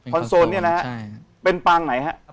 ทอนโซลเนี่ยนะครับเป็นปางไหนฮะ